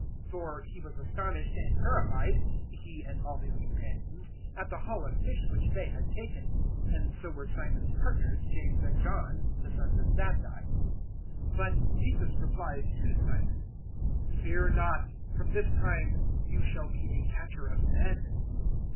005:009 (For he was astonished and terrified he and all his companions at the haul of fish which they had taken; 005:010 and so were Simon's partners James and John, the sons of Zabdi.) But Jesus replied to Simon, "Fear not: from this time you shall be a catcher of men."